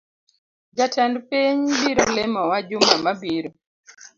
Jatend piny biro limowa juma mabiro